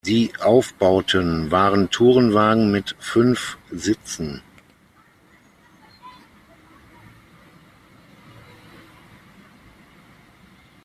Die Aufbauten waren Tourenwagen mit fünf Sitzen.